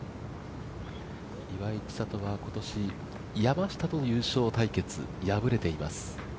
岩井千怜は今年、山下と優勝対決敗れています。